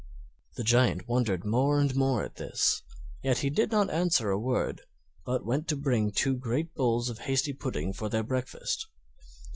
The Giant wondered more and more at this; yet he did not answer a word, but went to bring two great bowls of hasty pudding for their breakfast.